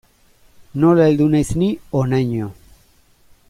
Nola heldu naiz ni honaino.